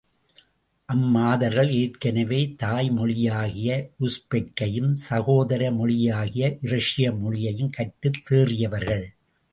அம்மாதர்கள், ஏற்கெனவே தாய்மொழியாகிய உஸ்பெக்கையும் சகோதர மொழியாகிய இரஷிய மொழியையும் கற்றுத் தேறியவர்கள்.